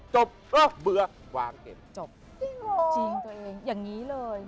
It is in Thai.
จบรอบเบื่อวางเก็บจบจริงตัวเองอย่างนี้เลย